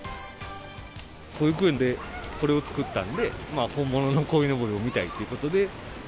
保育園でこれを作ったんで、本物のこいのぼりを見たいっていうことで。